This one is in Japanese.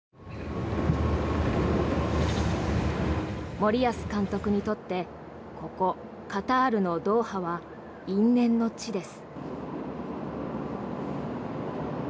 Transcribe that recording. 森保監督にとってここ、カタールのドーハは因縁の地です。